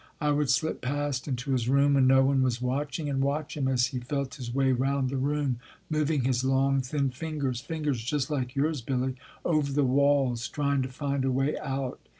I would slip past into his room when no one was watching and watch him as he felt his way round the room, moving his long, thin fingers fingers just like yours, Billy over the walls, trying to find a way out.